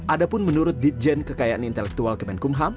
adapun menurut ditjen kekayaan intelektual kemenkumham